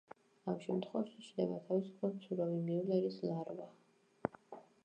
ამ შემთხვევაში ჩნდება თავისუფლად მცურავი მიულერის ლარვა.